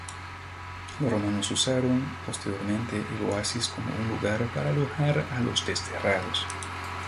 Los romanos usaron posteriormente el oasis como un lugar para alojar a los desterrados.